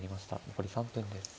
残り３分です。